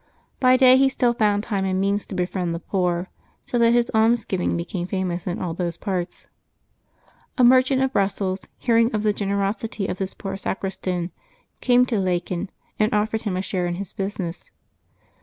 By day he still found time and means to befriend the poor, so that his almsgiving be came famous in all those parts. A merchant of Brussels, hearing of the generosity of this poor sacristan, came to Laeken, and offered him a share in his business.